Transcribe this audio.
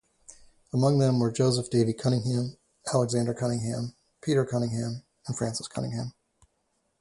Among them were Joseph Davey Cunningham, Alexander Cunningham, Peter Cunningham and Francis Cunningham.